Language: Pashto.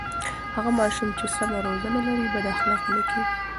هغه ماشوم چې سمه روزنه لري بد اخلاقه نه کېږي.